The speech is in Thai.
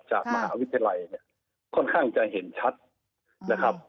จากมหาวิทยาลัยเนี่ยค่อนข้างจะเห็นชัดนะครับ